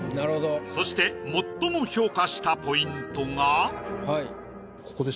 そして最も評価したポイントが。